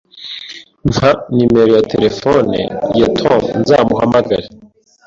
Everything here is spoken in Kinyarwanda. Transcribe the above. Mpa nimero ya terefone ya Tom nzamuhamagara